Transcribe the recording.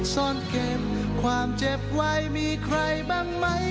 ซ่อนเก็บความเจ็บไว้มีใครบ้างไหม